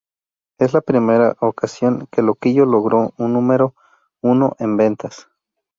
Es la primera ocasión que Loquillo logró un número uno en ventas.